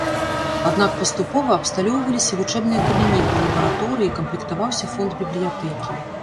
Аднак паступова абсталёўваліся вучэбныя кабінеты, лабараторыі, камплектаваўся фонд бібліятэкі.